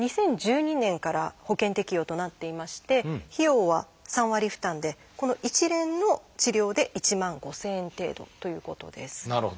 ２０１２年から保険適用となっていまして費用は３割負担でこの一連の治療で１万５，０００円程度ということです。